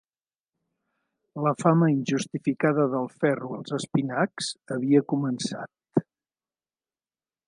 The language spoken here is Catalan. La fama injustificada del ferro als espinacs havia començat”.